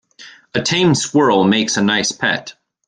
A tame squirrel makes a nice pet.